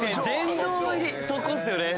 そこっすよね。